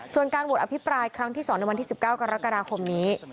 ส่วนการโหวตอภิปรายครั้งที่๒ในวันที่๑๙กรกฎาคมนี้